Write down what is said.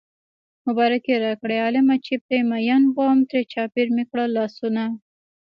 مبارکي راکړئ عالمه چې پرې مين وم ترې چاپېر مې کړل لاسونه